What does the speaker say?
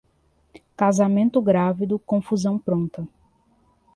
Casamento grávido, confusão pronta.